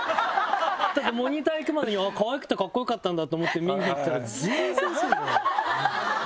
だってモニター行くまでにかわいくてカッコ良かったんだと思って見に行ったら全然そうじゃない！ハハハハ！